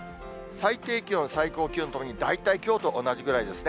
最低気温、最高気温ともに大体きょうと同じぐらいですね。